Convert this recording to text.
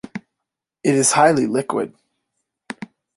It is highly liquid.